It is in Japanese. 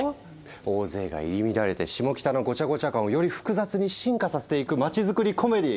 大勢が入り乱れてシモキタのごちゃごちゃ感をより複雑に進化させていく街づくりコメディー。